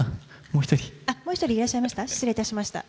もう一人、いらっしゃいました？